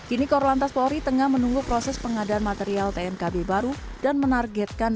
ini adalah satu dari beberapa hal yang akan diperlukan